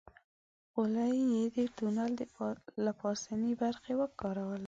خولۍ يې د تونل له پاسنۍ برخې وکاروله.